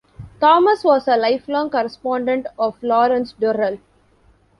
Thomas was a lifelong correspondent of Lawrence Durrell.